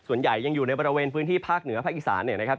ส่วนใหญ่ยังอยู่ในบริเวณพื้นที่ภาคเหนือภาคอีสานเนี่ยนะครับ